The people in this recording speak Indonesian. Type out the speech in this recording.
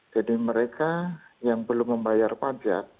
jadi mereka yang belum membayar pajak